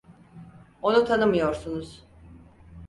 Onu tanımıyorsunuz.